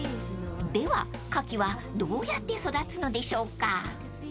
［ではカキはどうやって育つのでしょうか？］